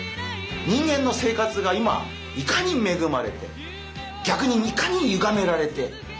人間の生活が今いかに恵まれて逆にいかにゆがめられているか。